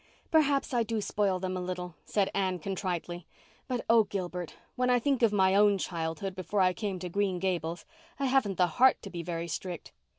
"Perhaps I do spoil them a little," said Anne contritely, "but, oh, Gilbert, when I think of my own childhood before I came to Green Gables I haven't the heart to be very strict.